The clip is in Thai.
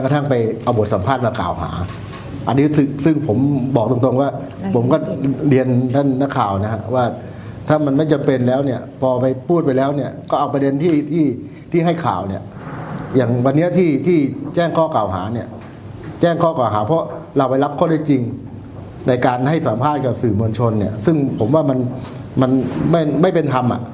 กระทั่งไปเอาบทสัมภาษณ์มากล่าวหาอันนี้ซึ่งผมบอกตรงตรงว่าผมก็เรียนท่านนักข่าวนะครับว่าถ้ามันไม่จำเป็นแล้วเนี่ยพอไปพูดไปแล้วเนี่ยก็เอาประเด็นที่ที่ที่ให้ข่าวเนี่ยอย่างวันเนี้ยที่ที่แจ้งข้อกล่าวหาเนี่ยแจ้งข้อกล่าวหาเพราะเราไปรับข้อได้จริงในการให้สัมภาษณ์กับสื่อมวลชน